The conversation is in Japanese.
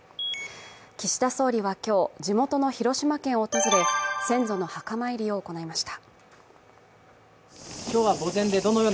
岸田総理は今日、地元の広島県を訪れ先祖の墓参りを行いました。